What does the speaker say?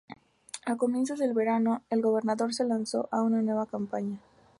A comienzos del verano, el gobernador se lanzó a una nueva campaña.